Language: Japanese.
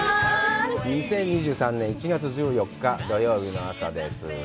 ２０２３年１月１４日、土曜日の朝です。